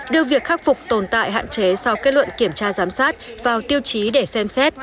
đưa việc khắc phục tồn tại hạn chế sau kết luận kiểm tra giám sát vào tiêu chí để xem xét